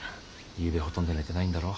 ゆうべほとんど寝てないんだろ。